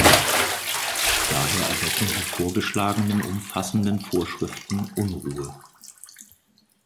Daher erwecken die vorgeschlagenen umfassenden Vorschriften Unruhe.